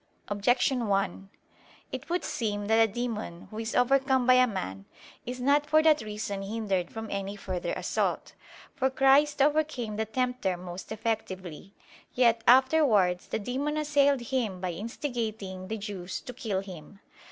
Objection 1: It would seem that a demon who is overcome by a man, is not for that reason hindered from any further assault. For Christ overcame the tempter most effectively. Yet afterwards the demon assailed Him by instigating the Jews to kill Him.